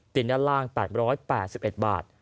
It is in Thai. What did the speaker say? เตียงด้านล่าง๘๘๑บาท